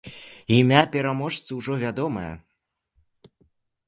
Імя пераможцы ўжо вядомае!